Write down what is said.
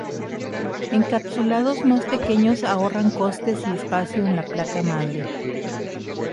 Encapsulados más pequeños ahorran costes y espacio en la placa madre.